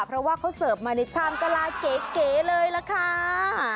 เพราะว่าเขาเสิร์ฟมาในชามกะลาเก๋เลยล่ะค่ะ